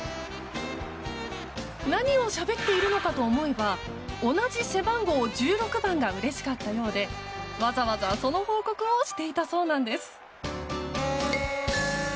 何をしゃべっているのかと思えば同じ背番号１６番がうれしかったようでわざわざその報告をしていたそうなんです。